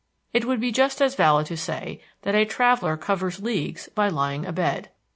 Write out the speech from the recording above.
It would be just as valid to say that a traveler covers leagues by lying abed.